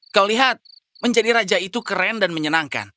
kau lihat menjadi raja itu keren dan menyenangkan